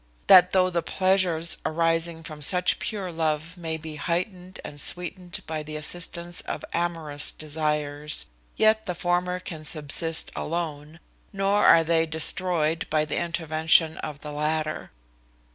That though the pleasures arising from such pure love may be heightened and sweetened by the assistance of amorous desires, yet the former can subsist alone, nor are they destroyed by the intervention of the latter.